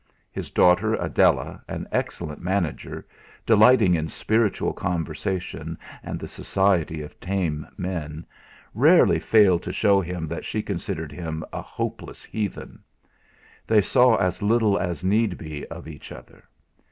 His daughter Adela, an excellent manager, delighting in spiritual conversation and the society of tame men, rarely failed to show him that she considered him a hopeless heathen. They saw as little as need be of each other.